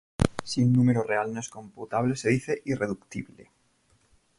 Si un número real no es computable se dice irreductible.